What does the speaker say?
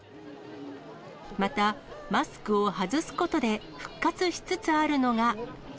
また、マスクを外すことで復活しつつあるのが。